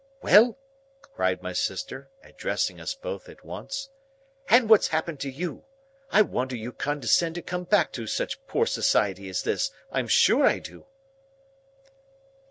"Well?" cried my sister, addressing us both at once. "And what's happened to you? I wonder you condescend to come back to such poor society as this, I am sure I do!"